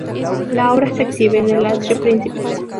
La obra se exhibe en el atrio principal.